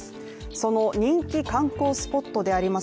その人気観光スポットであります